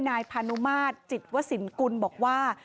นายพานุมาตรจิตวสินกุลบอกว่า